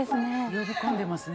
呼び込んでますね。